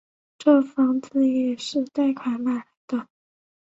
这房子也是贷款买来的